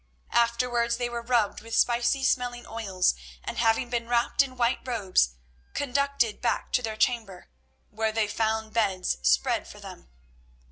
Afterwards they were rubbed with spicy smelling oils, and having been wrapped in white robes, conducted back to their chamber, where they found beds spread for them.